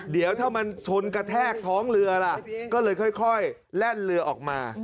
เดี๋ยวถ้ามันชนกระแทกท้องเรือล่ะก็เลยค่อยแล่นเรือออกมา